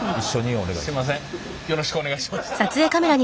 お二人よろしくお願いします。